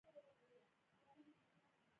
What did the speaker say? صنعتي تولیدات تر نییمایي کم شول.